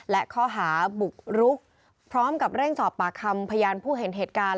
และข้อหาบุกรุกพร้อมกับเร่งสอบปากคำพยานผู้เห็นเหตุการณ์